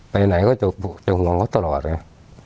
ไปไหนก็จะห่วงจะห่วงตลอดนะ